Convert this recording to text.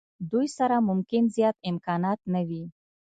دوی سره ممکن زیات امکانات نه وي.